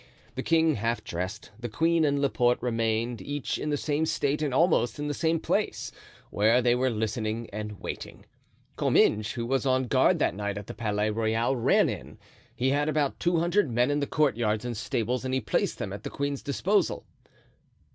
The king, half dressed, the queen and Laporte remained each in the same state and almost in the same place, where they were listening and waiting. Comminges, who was on guard that night at the Palais Royal, ran in. He had about two hundred men in the courtyards and stables, and he placed them at the queen's disposal.